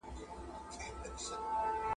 په جنت کي مي ساتلی بیرغ غواړم `